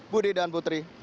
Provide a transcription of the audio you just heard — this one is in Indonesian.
budi dan putri